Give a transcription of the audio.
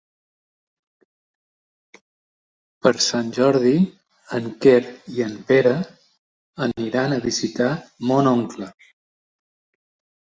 Per Sant Jordi en Quer i en Pere aniran a visitar mon oncle.